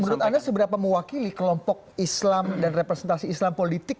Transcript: menurut anda seberapa mewakili kelompok islam dan representasi islam politik